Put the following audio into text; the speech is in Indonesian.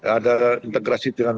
ada integrasi dengan